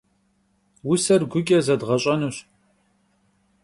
Vuser guç'e zedğeş'enuş.